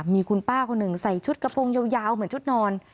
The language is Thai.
มีคุณป้าคนหนึ่งใส่ชุดกระโปรงยาวเหมือนชุดนอน